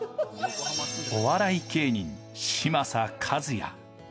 お笑い芸人、嶋佐和也。